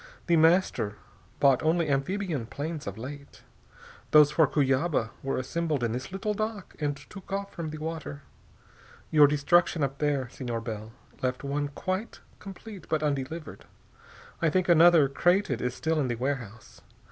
The Master bought only amphibian planes of late. Those for Cuyaba were assembled in this little dock and took off from the water. Your destruction up there, Senor Bell, left one quite complete but undelivered. I think another, crated, is still in the warehouse.